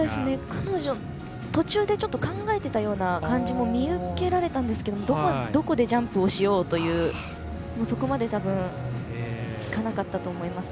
彼女、途中で考えてたような感じも見受けられたんですがどこでジャンプをしようというそこまでいかなかったと思います。